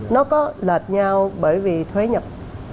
nó có lệch nhau bởi vì thuế nhập